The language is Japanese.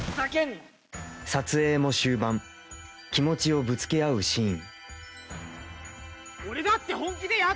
撮影も終盤気持ちをぶつけ合うシーン